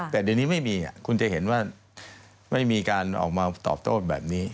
แต่เดี๋ยวนี้ไม่มีคุณจะเห็นว่าไม่มีการออกมาตอบโต้แบบนี้